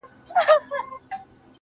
o ته مي يو ځلي گلي ياد ته راوړه.